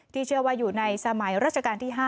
เชื่อว่าอยู่ในสมัยรัชกาลที่๕